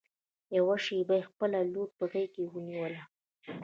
يوه شېبه يې خپله لور په غېږ کې ونيوله.